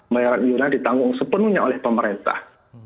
bayaran iuran ditanggung sepenuhnya oleh pemerintah